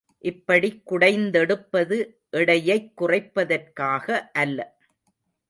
இப்படிக் குடைந்தெடுப்பது எடையைக் குறைப்பதற்காக அல்ல.